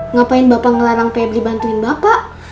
ngapain bapak ngelarang pebri bantuin bapak